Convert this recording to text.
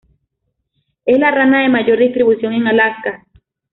Es la rana de mayor distribución en Alaska.